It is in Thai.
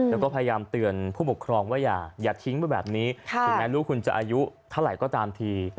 แล้วก็พยายามเตือนผู้ปกครองว่าอย่าทิ้งไปแบบนี้ถึงแม้ลูกคุณจะอายุเท่าไหร่ก็ตามที